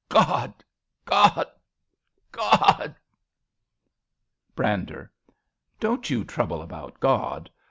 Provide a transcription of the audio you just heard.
God ! God ! God ! Brander. Don't you trouble about God.